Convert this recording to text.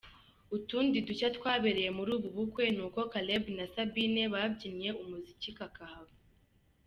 Utundi dushya twabereye muri ubu bukwe ni uko Caleb na Sabine babyinnye umuziki kakahava.